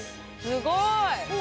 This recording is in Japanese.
すごい！